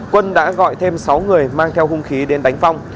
quân đã gọi thêm sáu người mang theo hung khí đến đánh phong